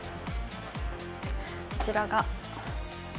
こちらが。